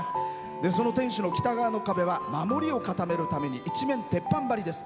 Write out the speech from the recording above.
その天守の北側の壁は守りを固めるために一面鉄板張りです。